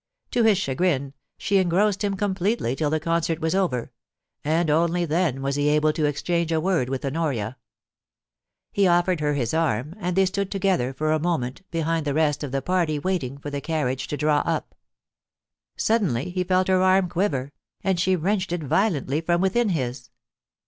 To his chagrin she engrossed him completely till the concert was over, and only then was he able to exchange a word with Honoria. He offered her his arm, and they stood together for a moment behind the rest of the party waiting for the carriage to draw up Suddenly he felt her arm quiver, and she wrenched it violently from within his.